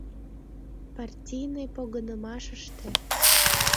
Партийный погынымашыште!